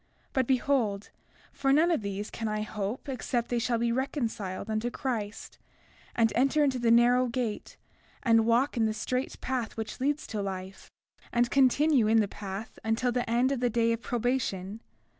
But behold, for none of these can I hope except they shall be reconciled unto Christ, and enter into the narrow gate, and walk in the strait path which leads to life, and continue in the path until the end of the day of probation.